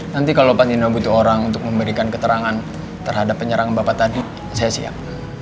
nanti kalau pak dino butuh orang untuk memberikan keterangan terhadap penyerangan bapak tadi saya siap